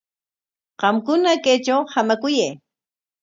Qamkuna kaytraw hamakuyay.